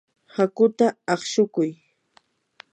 hakuta aqshukuy.